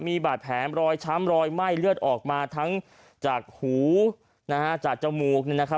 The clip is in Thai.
มีบาดแผลรอยช้ำรอยไหม้เลือดออกมาทั้งจากหูนะฮะจากจมูก